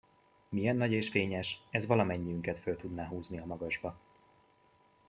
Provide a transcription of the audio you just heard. Milyen nagy és fényes, ez valamennyiünket föl tudna húzni a magasba.